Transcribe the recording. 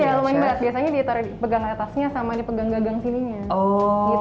iya lumayan berat biasanya dia pegang atasnya sama dia pegang gagang sininya